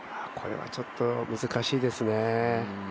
これはちょっと難しいですね。